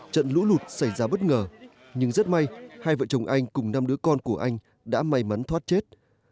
trận lũ lụt xảy ra bất ngờ nhưng rất may hai vợ chồng anh cùng năm đứa con của anh đã may mắn thoát chết